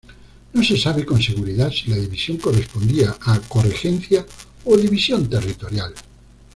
No se sabe con seguridad si la división correspondía a corregencia o división territorial.